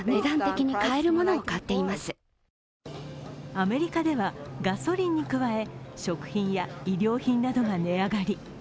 アメリカではガソリンに加え食品や衣料品などが値上がり。